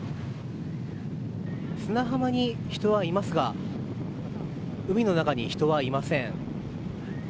砂浜に人はいますが海の中に人はいません。